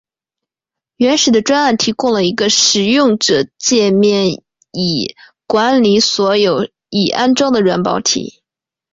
原始的专案提供了一个使用者介面以管理所有已安装的软体包。